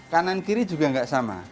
kanan kiri juga nggak sama